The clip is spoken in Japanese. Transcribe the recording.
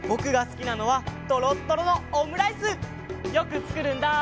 よくつくるんだ！